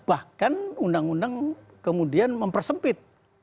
bahkan undang undang kemudian mempersempit